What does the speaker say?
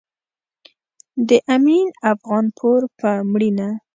د امين افغانپور په مړينه